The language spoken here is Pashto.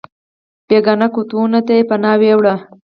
بېګانه قوتونو ته یې پناه وړې.